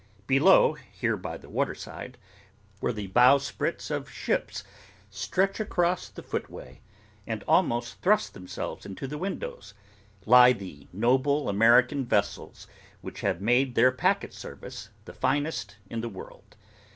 Below, here by the water side, where the bowsprits of ships stretch across the footway, and almost thrust themselves into the windows, lie the noble American vessels which have made their Packet Service the finest in the world.